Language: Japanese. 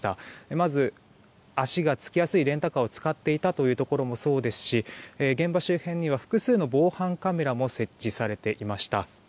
まず、足がつきやすいレンタカーを使っていたこともそうですし現場周辺には複数の防犯カメラも設置されていました。